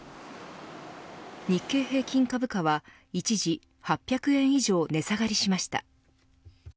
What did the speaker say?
日経平均株価は一時８００円以上値下がりしました。